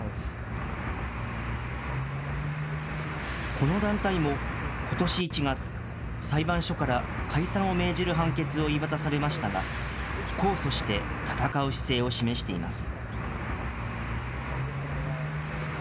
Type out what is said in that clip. この団体も、ことし１月、裁判所から解散を命じる判決を言い渡されましたが、控訴して戦う姿勢を示しています。